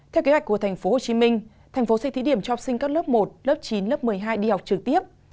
theo kế hoạch của thành phố hồ chí minh thành phố sẽ thí điểm cho học sinh các lớp một lớp chín lớp một mươi hai đi học trực tiếp